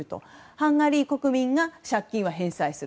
ハンガリー国民が借金は返済する。